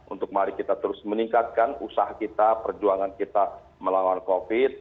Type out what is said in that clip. untuk mari kita terus meningkatkan usaha kita perjuangan kita melawan covid